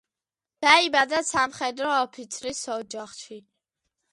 დაიბადა სამხედრო ოფიცრის ოჯახში.